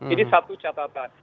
ini satu catatan